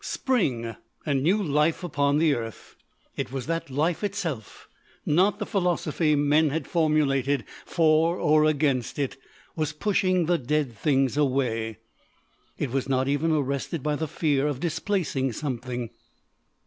Spring! and new life upon the earth. It was that life itself, not the philosophy men had formulated for or against it, was pushing the dead things away. It was not even arrested by the fear of displacing something.